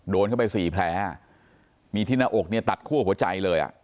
โดนเข้าไปสี่แพ้มีที่หน้าอกตัดคั่วหัวใจเลย